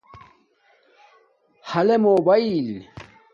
ھالے موباݵل